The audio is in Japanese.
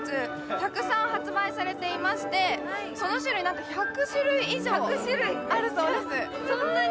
たくさん発売されていましてその種類なんと１００種類以上あるそうです